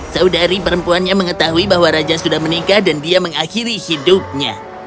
saudari perempuannya mengetahui bahwa raja sudah menikah dan dia mengakhiri hidupnya